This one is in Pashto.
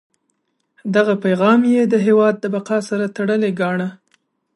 دغه پیغام یې د هیواد د بقا سره تړلی ګاڼه.